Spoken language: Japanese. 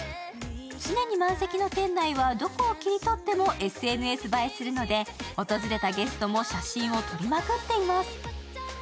常に満席の店内は、どこを切り取ってもＳＮＳ映えするので、訪れたゲストも写真を撮りまくっています。